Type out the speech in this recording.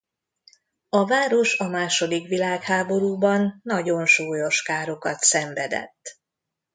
A város a második világháborúban nagyon súlyos károkat szenvedett.